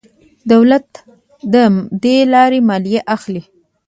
دولت له دې لارې مالیه اخلي.